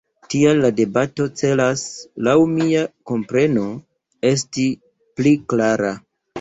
Tial la debato celas, laŭ mia kompreno, esti pli klara.